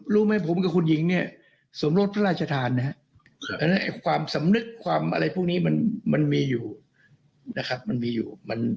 รู้ไหมผมกับคุณหญิงสมรสพระราชธาตุความสำนึกความอะไรพวกนี้มันมีอยู่